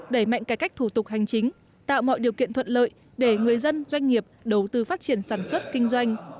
đẩy mạnh cải cách thủ tục hành chính tạo mọi điều kiện thuận lợi để người dân doanh nghiệp đầu tư phát triển sản xuất kinh doanh